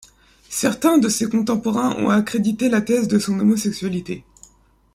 Certains de ses contemporains ont accrédité la thèse de son homosexualité.